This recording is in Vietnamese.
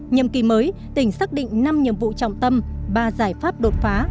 nhiệm kỳ mới tỉnh xác định năm nhiệm vụ trọng tâm ba giải pháp đột phá